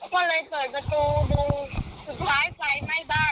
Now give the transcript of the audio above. ก็เลยเปิดประตูดูสุดท้ายไฟไหม้บ้าน